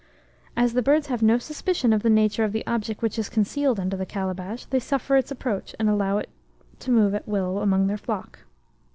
As the birds have no suspicion of the nature of the object which is concealed under the calabash, they suffer its approach, and allow it to move at will among their flock.